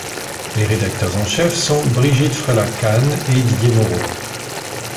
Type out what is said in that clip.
Les rédacteurs en chef sont Brigitte Frelat-Kahn et Didier Moreau.